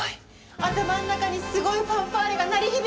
頭の中にすごいファンファーレが鳴り響いてきた。